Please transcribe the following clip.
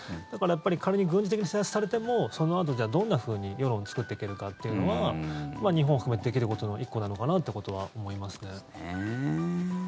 だから仮に軍事的に制圧されてもそのあと、どんなふうに世論を作っていけるかというのは日本を含めてできることの１個なのかなってことは思いますね。